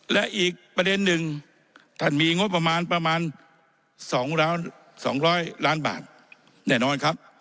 และอีกประเด็นหนึ่งท่านมีงบประมาณประมาณ๒๐๐ล้านบาทแน่นอนครับ